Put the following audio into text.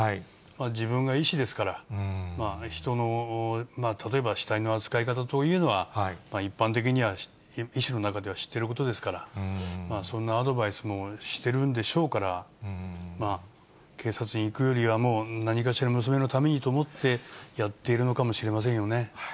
自分が医師ですから、人の、例えば死体の扱い方というのは、一般的には、医師の中では知っていることですから、そんなアドバイスもしてるんでしょうから、警察に行くよりは、もう、何かしら娘のためにと思ってやっているのかもしれませんよね。